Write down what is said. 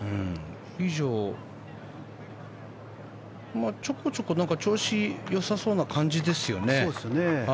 グリジョはちょこちょこ調子が良さそうな感じですね。